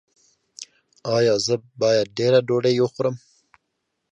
ایا زه باید ډیره ډوډۍ وخورم؟